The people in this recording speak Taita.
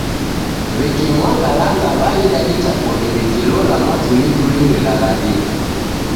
Weke mwangalanga waida itakoni wikilola mwatulituli rilagharie